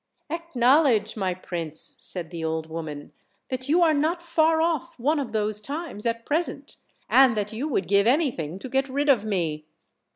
"Acknowledge, my prince," said the old woman, "that you are not far off one of those times at present, and that you would give anything to get rid of me.